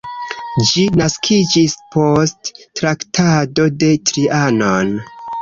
Ĝi naskiĝis post Traktato de Trianon.